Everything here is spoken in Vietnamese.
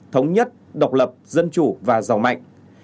thống nhất độc lập dân chủ và giàu mạnh